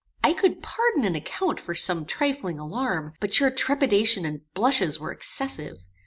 "I could pardon and account for some trifling alarm; but your trepidation and blushes were excessive.